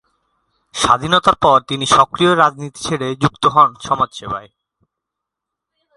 স্বাধীনতার পর তিনি সক্রিয় রাজনীতি ছেড়ে যুক্ত হন সমাজসেবায়।